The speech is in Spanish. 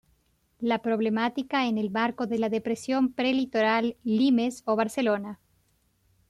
La problemática en el marco de la Depresión Prelitoral", "Limes" O, Barcelona.